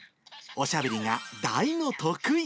おしゃべりが大の得意。